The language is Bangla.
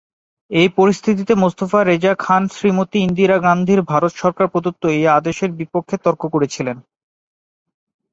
এই পরিস্থিতিতে মোস্তফা রেজা খান শ্রীমতী ইন্দিরা গান্ধীর ভারত সরকার প্রদত্ত এই আদেশের বিপক্ষে তর্ক করেছিলেন।